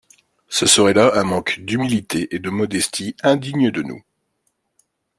Ce serait là un manque d’humilité et de modestie indigne de nous.